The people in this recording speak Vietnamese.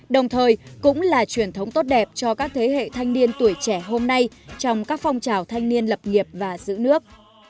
đồng thời cũng là truyền thống tốt đẹp cho các thế hệ thanh niên tuổi trẻ hôm nay trong các phong trào thanh niên lập nghiệp và giữ nước